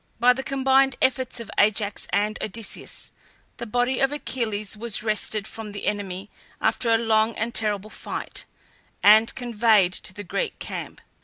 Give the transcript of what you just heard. By the combined efforts of Ajax and Odysseus the body of Achilles was wrested from the enemy after a long and terrible fight, and conveyed to the Greek camp.